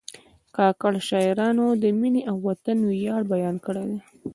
کاکړ شاعرانو د مینې او وطن ویاړ بیان کړی دی.